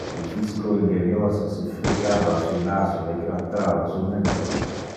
Le physico ingeniose se fricava su naso e grattava su mento.